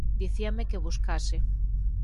Dicíame que buscase.